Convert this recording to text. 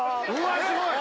すごい！